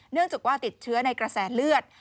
เนื่องจากว่าติดเชื้อในกระแสเลือด